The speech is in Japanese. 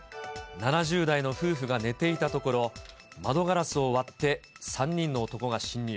７０代の夫婦が寝ていたところ、窓ガラスを割って３人の男が侵入。